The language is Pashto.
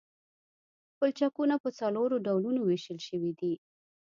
پلچکونه په څلورو ډولونو ویشل شوي دي